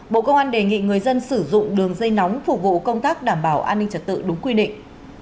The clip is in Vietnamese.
bộ công an đề nghị người dân sử dụng đường dây nóng phục vụ công tác đảm bảo an ninh trật tự đúng quy định